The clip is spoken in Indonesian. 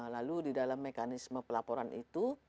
lalu di dalam mekanisme pelaporan itu